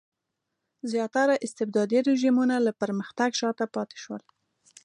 زیاتره استبدادي رژیمونه له پرمختګ شاته پاتې شول.